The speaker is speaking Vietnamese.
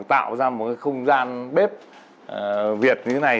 tạo ra một cái không gian bếp việt như thế này